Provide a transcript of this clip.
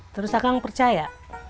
terus akang percaya